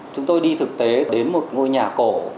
chúng tôi đi thực tế đến một ngôi nhà cổ